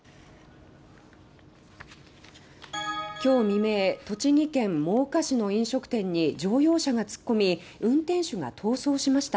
きょう未明栃木県の飲食店に乗用車が突っ込み運転手は逃走しました。